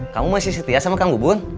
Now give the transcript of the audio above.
kamu masih setia sama kang gubun